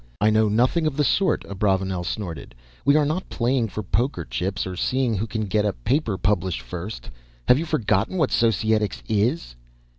"I know nothing of the sort." Abravanel snorted. "We are not playing for poker chips, or seeing who can get a paper published first. Have you forgotten what Societics is?"